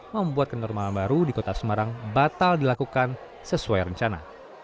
membuat kenormalan baru di kota semarang batal dilakukan sesuai rencana